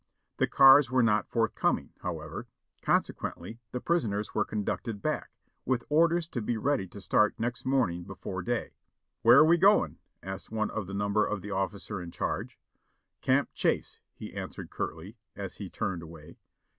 The cars were not forthcoming, however, consequently the prisoners were con ducted back, with orders to be ready to start next morning be fore day. "Where are we going?" asked one of the number of the ofificer in charge. "Camp Chase," he answered curtly, as he turned away.